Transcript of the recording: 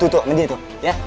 tuh ngejep tuh